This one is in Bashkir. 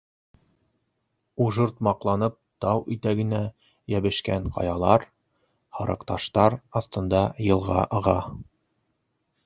Ужыртмаҡланып тау итәгенә йәбешкән ҡаялар, һарыҡташтар аҫтында йылға аға.